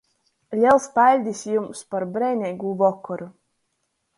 Lels paļdis jums par breineigū vokoru!